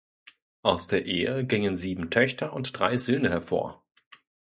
Aus der Ehe gingen sieben Töchter und drei Söhne hervor.